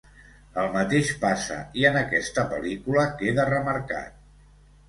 El mateix passa i en aquesta pel·lícula queda remarcat.